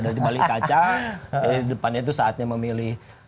ada di balik kaca jadi di depannya itu saatnya memilih